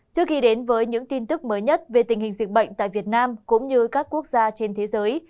trước khi đến với những tin tức mới nhất về tình hình dịch bệnh tại việt nam cũng như các quốc gia trên thế giới